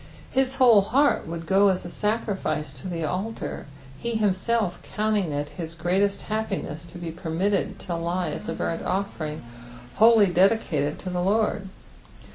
His whole heut would go as a gacriflce to the altar, he himself countiag it hit greatest happiness to be permitted to lie as t, burnt oSering wholly dedicated to the Lord.